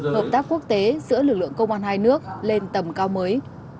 hợp tác quốc tế giữa lực lượng công an hai nước lên tầm cao mới